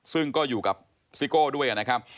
ซึ่งก็อยู่กับซิโก้ด้วยนะครับ